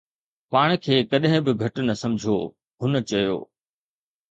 ”پاڻ کي ڪڏهن به گهٽ نه سمجهو،“ هن چيو